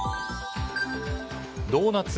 ドーナツ